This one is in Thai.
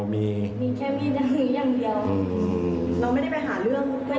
มีมีน